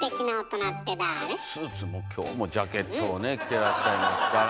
今日もジャケットをね着てらっしゃいますから。